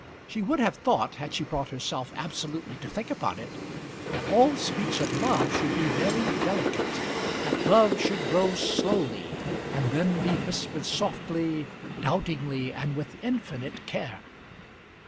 She would have thought, had she brought herself absolutely to think upon it, that all speech of love should be very delicate; that love should grow slowly, and then be whispered softly, doubtingly, and with infinite care.